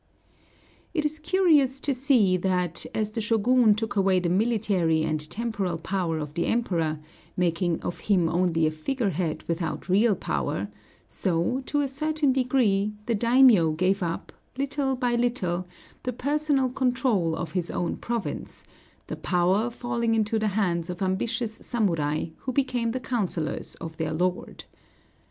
It is curious to see that, as the Shōgun took away the military and temporal power of the Emperor, making of him only a figure head without real power, so, to a certain degree, the daimiō gave up, little by little, the personal control of his own province, the power falling into the hands of ambitious samurai, who became the councilors of their lord.